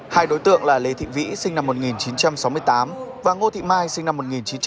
hai đối tượng là lê thị vĩ sinh năm một nghìn chín trăm sáu mươi tám và ngô thị mai sinh năm một nghìn chín trăm tám mươi